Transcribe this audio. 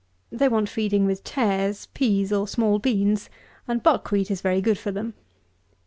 They want feeding with tares, peas, or small beans; and buck wheat is very good for them.